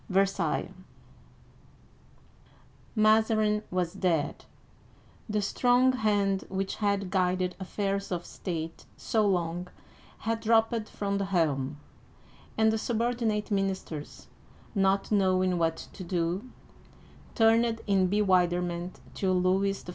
VERSAILLES MAZARIN was dead ! The strong hand which had guided affairs of state so long had dropped from the helm, and the subordinate ministers, not knowing what to do, turned in bewilderment to Louis XIV.